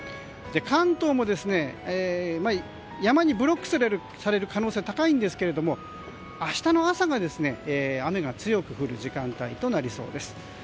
関東も、山にブロックされる可能性は高いんですけども明日の朝が雨が強く降る時間帯となりそうです。